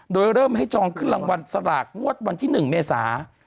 โดยเริ่มให้จองขึ้นรางวัลสลากงวดวันที่๑เมษา